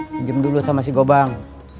pinjam dulu sama si gobang